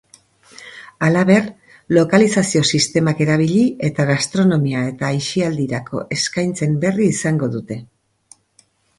Halaber, lokalizazio sistemak erabili eta gastronomia eta asialdirako eskaintzen berri izango dute.